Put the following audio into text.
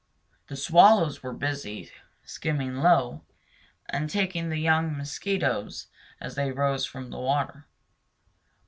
The swallows were busy, skimming low, and taking the young mosquitoes as they rose from the water.